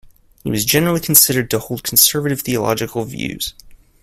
He was generally considered to hold conservative theological views.